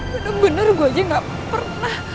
bener bener gua aja gak pernah